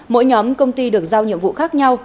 mỗi nhóm công ty được giao nhiệm vụ khác nhau